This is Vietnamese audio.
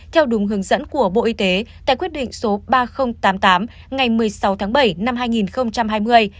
theo đúng hướng dẫn của bộ y tế tại quyết định số ba nghìn tám mươi tám ngày một mươi sáu tháng bảy năm hai nghìn hai mươi